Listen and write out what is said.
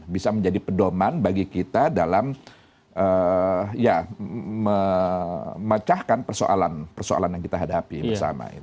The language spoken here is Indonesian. bisa menjadi pedoman bagi kita dalam memecahkan persoalan persoalan yang kita hadapi bersama